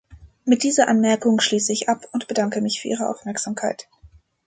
Mit dieser Anmerkung schließe ich ab und bedanke mich für Ihre Aufmerksamkeit.